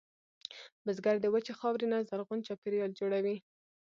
بزګر د وچې خاورې نه زرغون چاپېریال جوړوي